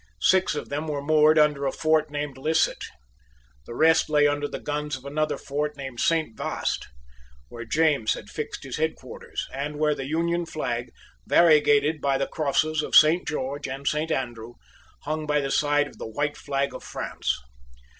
Six of them were moored under a fort named Lisset. The rest lay under the guns of another fort named Saint Vaast, where James had fixed his headquarters, and where the Union flag, variegated by the crosses of Saint George and Saint Andrew, hung by the side of the white flag of France.